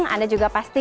anda juga pasti